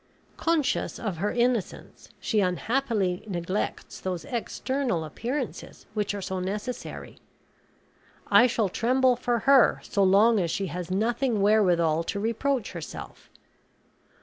Conscious of her innocence she unhappily neglects those external appearances which are so necessary. I shall tremble for her so long as she has nothing wherewithal to reproach herself.